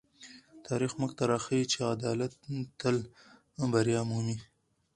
تاریخ موږ ته راښيي چې عدالت تل بریا مومي.